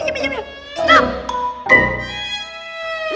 terdengar sendiri memudik